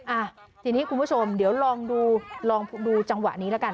อ่ะทีนี้คุณผู้ชมเดี๋ยวลองดูลองดูจังหวะนี้ละกัน